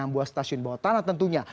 enam buah stasiun bawah tanah tentunya